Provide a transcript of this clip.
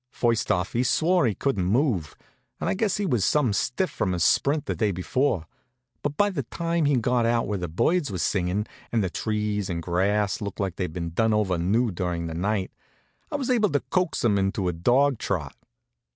First off he swore he couldn't move, and I guess he was some stiff from his sprint the day before, but by the time he'd got out where the birds was singin', and the trees and grass looked like they'd been done over new durin' the night, I was able to coax him into a dog trot.